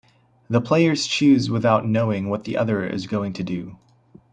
The players choose without knowing what the other is going to do.